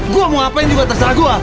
gua mau ngapain juga terserah gua